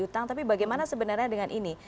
utang tapi bagaimana sebenarnya dengan ini